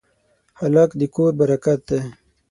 هلک د کور برکت دی.